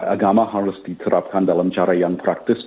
agama harus diterapkan dalam cara yang praktis